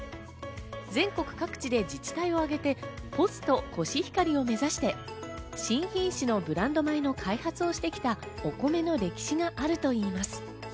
全国各地で自治体をあげて、ポスト、コシヒカリを目指して新品種のブランド米の開発をしてきたお米の歴史があるといいます。